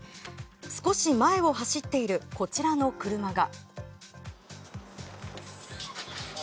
少し前を走っているこちらの車が。